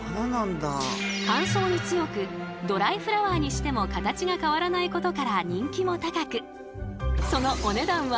乾燥に強くドライフラワーにしても形が変わらないことから人気も高くそのお値段は